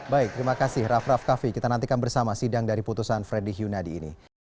baik terima kasih raff raff kaffi kita nantikan bersama sidang dari putusan freddy yunadi ini